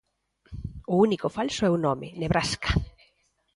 O único falso é o nome, Nebraska.